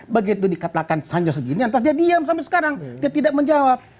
begitu dikatakan hanya segini entas dia diam sampai sekarang dia tidak menjawab